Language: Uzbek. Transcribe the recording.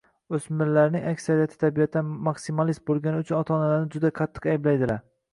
O‘smirlarning aksriyati tabiatan maksimalist bo‘lgani uchun ota-onalarini juda qattiq ayblaydilar.